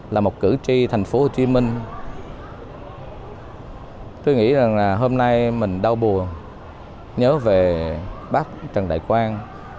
là một cử tri thành phố hồ chí minh tôi nghĩ rằng là hôm nay mình đau buồn nhớ về bác trần đại quang